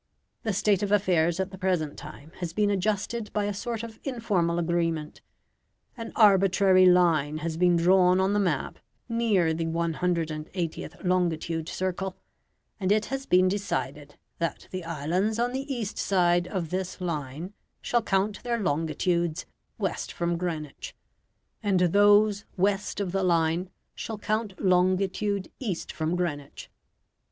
The state of affairs at the present time has been adjusted by a sort of informal agreement. An arbitrary line has been drawn on the map near the 180th longitude circle, and it has been decided that the islands on the east side of this line shall count their longitudes west from Greenwich, and those west of the line shall count longitude east from Greenwich.